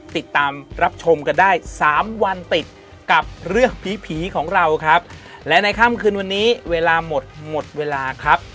ติดตามรับชมกันได้สามวันติดกับเรื่องผีผีของเราครับและในค่ำคืนวันนี้เวลาหมดหมดเวลาครับ